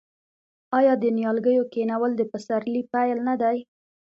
آیا د نیالګیو کینول د پسرلي پیل نه دی؟